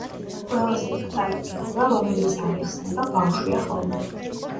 ყველაზე პატარა ფიგურა, რომელიც არ იხსნება, ბავშვია ხოლმე.